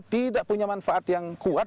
tidak punya manfaat yang kuat